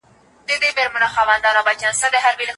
ثمر ګل په خپلو تورو لاسونو د چای پیاله ونیوله.